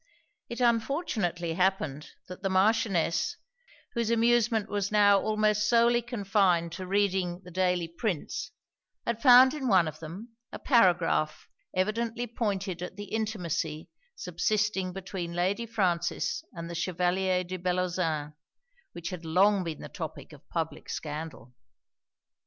It unfortunately happened, that the Marchioness, whose amusement was now almost solely confined to reading the daily prints, had found in one of them a paragraph evidently pointed at the intimacy subsisting between Lady Frances and the Chevalier de Bellozane, which had long been the topic of public scandal.